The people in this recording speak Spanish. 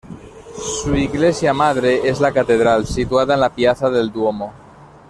Su iglesia madre es la Catedral, situada en la Piazza del Duomo.